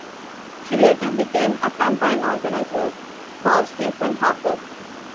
She later became a campaign organizer for Stephen Harper.